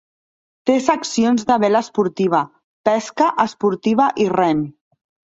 Té seccions de vela esportiva, pesca esportiva i rem.